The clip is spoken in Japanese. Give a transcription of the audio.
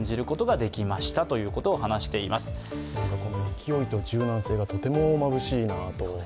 勢いと柔軟性がとてもまぶしいなと。